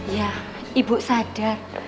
ya ibu sadar